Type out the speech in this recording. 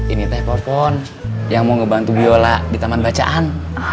ini teh popon yang mau ngebantu bu yola di taman bacaan